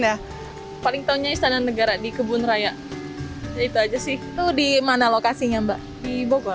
ya paling taunya istana negara di kebun raya itu aja sih itu di mana lokasinya mbak di bogor